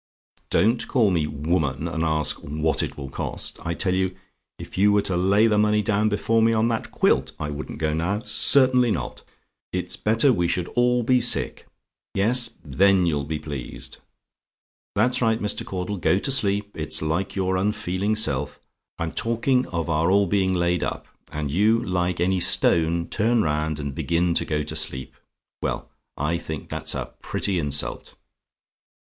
Don't call me 'woman,' and ask 'what it will cost.' I tell you, if you were to lay the money down before me on that quilt, I wouldn't go now certainly not. It's better we should all be sick; yes, then you'll be pleased. "That's right, Mr. Caudle; go to sleep. It's like your unfeeling self! I'm talking of our all being laid up; and you, like any stone, turn round and begin to go to sleep. Well, I think that's a pretty insult!